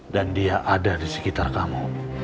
dan dia ada di sekitar kamu